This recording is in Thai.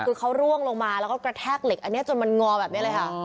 คือเขาร่วงลงมาแล้วก็กระแทกเหล็กอันนี้จนมันงอแบบนี้เลยค่ะ